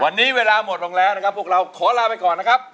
วันนี้เวลาหมดลงแล้วนะครับพวกเราขอลาไปก่อนนะครับ